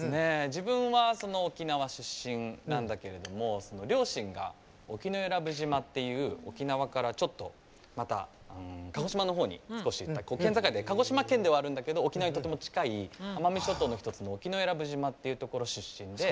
自分は沖縄出身なんだけれども両親が沖永良部島っていう沖縄からちょっとまた鹿児島の方に少しいった県境で鹿児島県ではあるんだけど沖縄にとても近い奄美諸島の一つの沖永良部島っていうところ出身で。